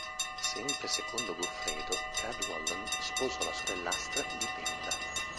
Sempre secondo Goffredo, Cadwallon sposò la sorellastra di Penda.